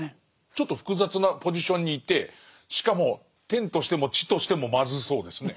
ちょっと複雑なポジションにいてしかも天としても地としてもまずそうですね。